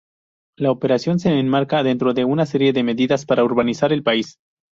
La operación se enmarca dentro de una serie de medidas para urbanizar el país.